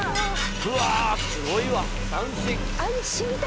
うわすごいわ斬新。